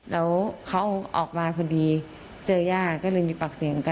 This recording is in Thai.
แล้วเขาออกมาพอดีเจอย่าก็เลยมีปากเสียงกัน